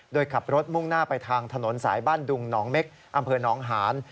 โดยขับรถมุ่งหน้าไปทางถนนสายบ้านดุงนเมฆอนหาล